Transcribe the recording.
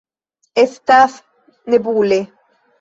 Estas nebule.